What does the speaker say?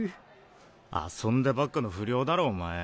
遊んでばっかの不良だろお前。